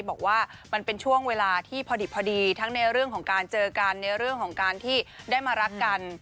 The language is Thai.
บอกว่ามันเป็นช่วงเวลาที่พอดิบพอดีทั้งในเรื่องของการเจอกันในเรื่องของการที่ได้มารักกัน